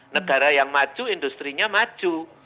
negara yang maju industri nya maju